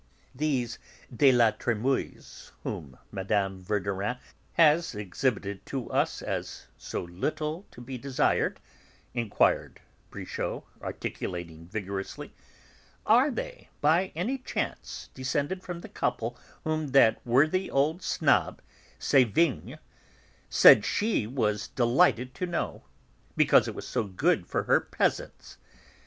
"These de La Trémouailles whom Mme. Verdurin has exhibited to us as so little to be desired," inquired Brichot, articulating vigorously, "are they, by any chance, descended from the couple whom that worthy old snob, Sévigné, said she was delighted to know, because it was so good for her peasants?